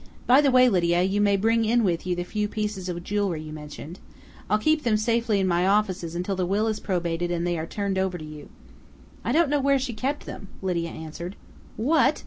By the way, Lydia, you may bring in with you the few pieces of jewelry you mentioned. I'll keep them safely in my offices until the will is probated and they are turned over to you." "I don't know where she kept them," Lydia answered. "_What?